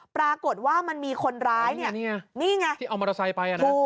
ปรากฏว่ามันมีคนร้ายเนี่ยนี่ไงที่เอามอเตอร์ไซค์ไปอ่ะนะ